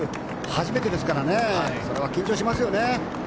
初めてですからね。それは緊張しますよね。